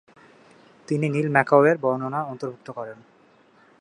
তিনি নীল ম্যাকাওয়ের বর্ণনা অন্তর্ভুক্ত করেন।